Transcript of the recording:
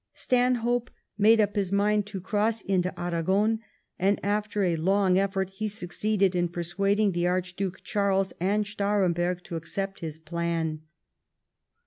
Stanhope made up his mind to cross into Aragon, and after a long efibrt he succeeded in persuading the Archduke Charles and Staremberg to accept his plan.